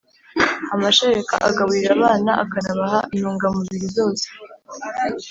amashereka agaburira abana akanabaha intungamubiri zose